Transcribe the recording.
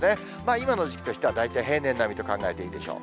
今の時期としては大体平年並みと考えていいでしょう。